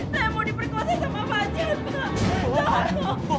saya mau diperkosa sama fajar pak